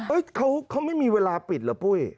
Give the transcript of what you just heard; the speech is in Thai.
เอ๊ะเขาไม่มีเวลาปิดหรือปุ้ย